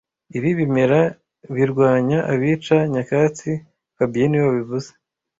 Ibi bimera birwanya abica nyakatsi fabien niwe wabivuze